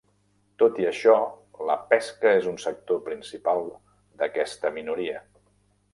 Tot i això, la pesca és un sector principal d'aquesta minoria.